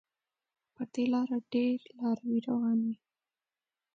پر دې لاره ډېر لاروي روان وي.